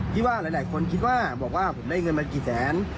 ที่ว่าหลายคนคิดว่าบอกว่าผมได้เงินมากี่แสน